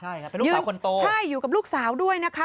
ใช่ครับเป็นลูกสาวคนโตใช่อยู่กับลูกสาวด้วยนะคะ